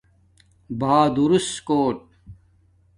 بہادورس کُوٹ